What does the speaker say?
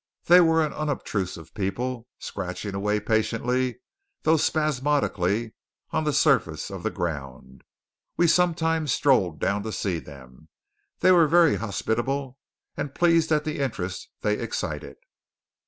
They were an unobtrusive people, scratching away patiently, though spasmodically, on the surface of the ground. We sometimes strolled down to see them. They were very hospitable, and pleased at the interest they excited.